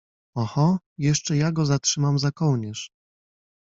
— Oho, jeszcze ja go trzymam za kołnierz!